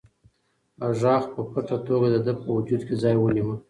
غږ په پټه توګه د ده په وجود کې ځای ونیوه.